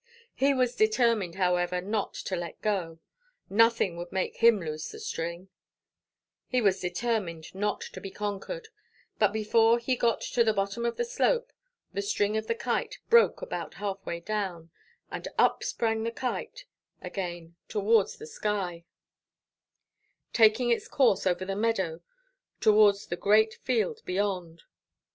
He was determined, however, not to let go; nothing could make him loose the string; he was determined not to be conquered; but before he had got to the bottom of the slope, the string of the Kite broke about half way down, and up sprang the Kite again towards the sky, taking its course over the meadow towards the great field beyond.